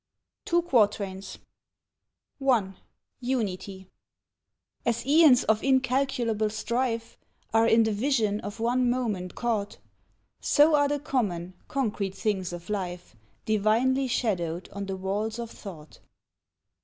Two Quatrains I Unity As eons of incalculable strife Are in the vision of one moment caught, So are the common, concrete things of life Divinely shadowed on the walls of Thought.